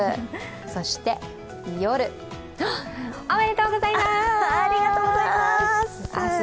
そして夜おめでとうございます！